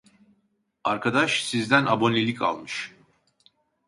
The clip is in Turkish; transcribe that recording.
Arkadaş sizden abonelik almış